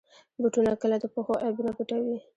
بوټونه کله د پښو عیبونه پټوي.